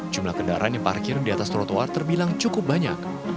jumlah kendaraan yang parkir di atas trotoar terbilang cukup banyak